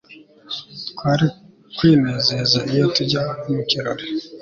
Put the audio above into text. twari kwinezeza iyo tujya mu kirori